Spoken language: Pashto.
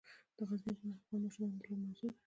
غزني د افغان ماشومانو د لوبو موضوع ده.